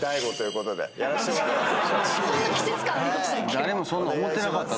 誰もそんなん思ってなかった。